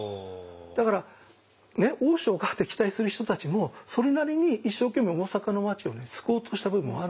だから大塩が敵対する人たちもそれなりに一生懸命大坂の町をね救おうとした部分もあるんですよ。